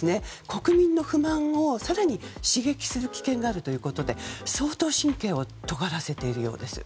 国民の不満を更に刺激する危険があるということで相当、神経をとがらせているみたいです。